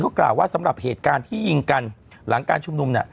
ก็กล่าวว่าสำหรับเหตุการณ์ที่ยิงกันหลังการชุมนุมเนี่ย